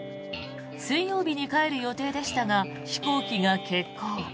水曜日に帰る予定でしたが飛行機が欠航。